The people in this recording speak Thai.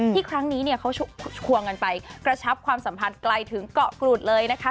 ครั้งนี้เนี่ยเขาควงกันไปกระชับความสัมพันธ์ไกลถึงเกาะกรุดเลยนะคะ